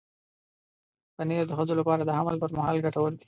پنېر د ښځو لپاره د حمل پر مهال ګټور دی.